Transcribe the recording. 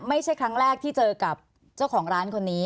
ไม่ใช่ครั้งแรกที่เจอกับเจ้าของร้านคนนี้